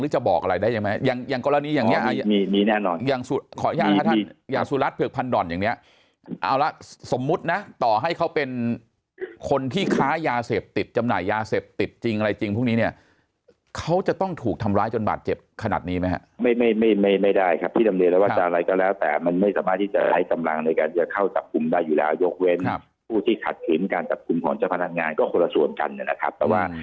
สิ่งที่จะใช้กำลังนะครับสิ่งที่จะใช้กำลังนะครับสิ่งที่จะใช้กำลังนะครับสิ่งที่จะใช้กำลังนะครับสิ่งที่จะใช้กำลังนะครับสิ่งที่จะใช้กำลังนะครับสิ่งที่จะใช้กำลังนะครับสิ่งที่จะใช้กำลังนะครับสิ่งที่จะใช้กำลังนะครับสิ่งที่จะใช้กำลังนะครับสิ่งที่จะใช้กำลังนะครับสิ่งที่จะใช้กำล